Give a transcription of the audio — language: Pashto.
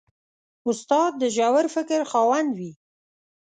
استاد د ژور فکر خاوند وي.